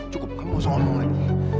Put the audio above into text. cukup kamu usah ngomong lagi